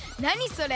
それ。